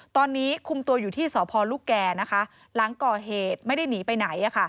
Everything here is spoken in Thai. ตอนนี้คุมตัวอยู่ที่สพลูกแก่นะคะหลังก่อเหตุไม่ได้หนีไปไหน